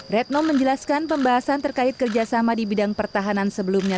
retno menjelaskan pembahasan terkait kerjasama di bidang pertahanan sebelumnya